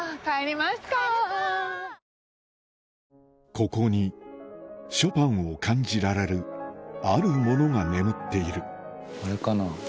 ここにショパンを感じられるあるものが眠っているあれかな？